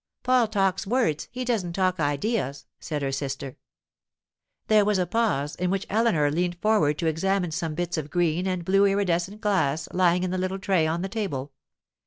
'Paul talks words; he doesn't talk ideas,' said her sister. There was a pause, in which Eleanor leaned forward to examine some bits of green and blue iridescent glass lying in a little tray on the table.